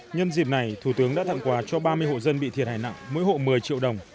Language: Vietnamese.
nhân dịp này thủ tướng đã tặng quà cho ba mươi hộ dân bị thiệt hại nặng mỗi hộ một mươi triệu đồng